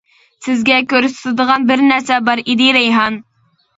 -سىزگە كۆرسىتىدىغان بىر نەرسە بار ئىدى رەيھان.